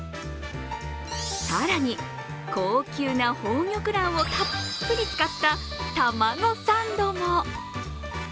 更に、高級な宝玉卵をたっぷり使ったタマゴサンドも。